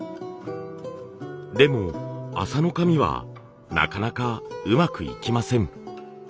でも麻の紙はなかなかうまくいきません。